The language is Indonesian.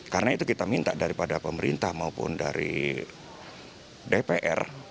karena itu kita minta daripada pemerintah maupun dari dpr